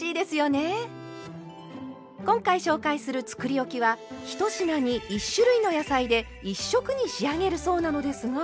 今回紹介するつくりおきは１品に１種類の野菜で１色に仕上げるそうなのですが。